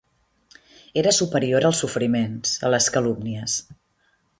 Era superior als sofriments, a les calúmnies.